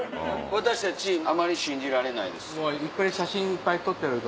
私たちあまり信じられないです。